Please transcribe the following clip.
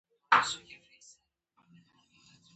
همداسې اېښودل شوي پاتې شول.